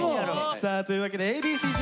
さあというわけでＡ．Ｂ．Ｃ−Ｚ